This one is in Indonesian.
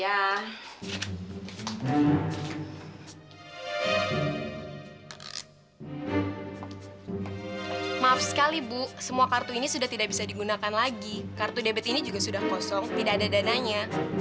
hai maaf sekali bu semua kartu ini sudah tidak bisa digunakan lagi kartu debit ini juga sudah kosong tidak ada dananya